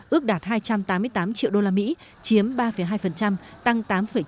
ước đạt hai trăm tám mươi tám triệu usd chiếm ba hai tăng tám chín